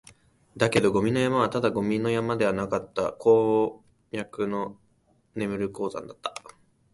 だけど、ゴミの山はただのゴミ山ではなかった、鉱脈の眠る鉱山だった